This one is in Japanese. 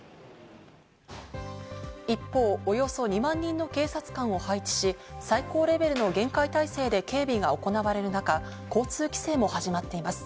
一方、およそ２万人の警察官を配置し、最高レベルの厳戒態勢で警備が行われる中、交通規制も始まっています。